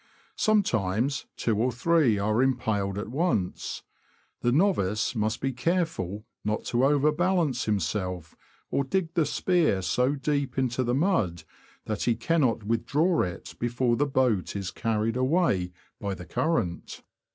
Sometimes two or three are impaled at once. The novice must be careful not to overbalance himself, or dig the spear so deep into the mud that he cannot withdraw it before the boat is carried away by the current.